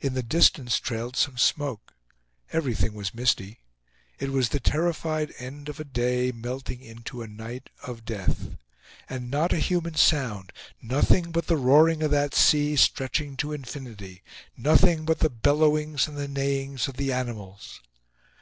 In the distance trailed some smoke. Everything was misty. It was the terrified end of a day melting into a night of death. And not a human sound, nothing but the roaring of that sea stretching to infinity; nothing but the bellowings and the neighings of the animals.